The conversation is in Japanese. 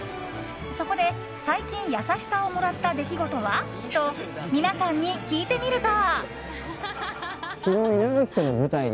そこで、最近優しさをもらった出来事は？と皆さんに聞いてみると。